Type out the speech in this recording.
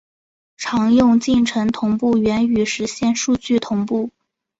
常用进程同步原语实现数据同步。